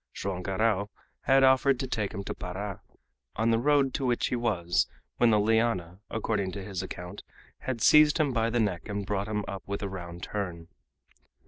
Joam Garral had offered to take him to Para, on the road to which he was when the liana, according to his account, had seized him by the neck and brought him up with a round turn.